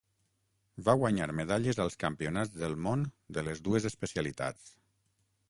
Va guanyar medalles als Campionats del món de les dues especialitats.